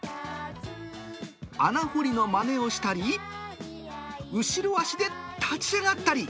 穴掘りのまねをしたり、後ろ足で立ち上がったり。